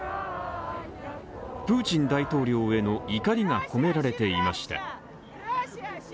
プーチン大統領への怒りが込められていました